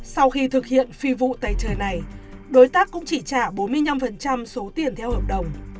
sau khi thực hiện phi vụ tay trời này đối tác cũng chỉ trả bốn mươi năm số tiền theo hợp đồng